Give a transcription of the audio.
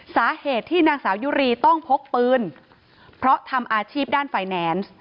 สาเหตุที่นางสาวยุรีต้องพกปืนเพราะทำอาชีพด้านไฟแนนซ์